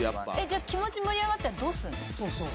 じゃあ気持ち盛り上がったらどうするの？